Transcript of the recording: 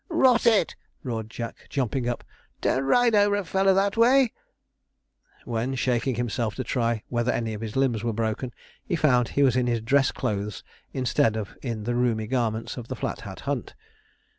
'Rot it!' roared Jack, jumping up, 'don't ride over a fellow that way!' When, shaking himself to try whether any limbs were broken, he found he was in his dress clothes instead of in the roomy garments of the Flat Hat Hunt.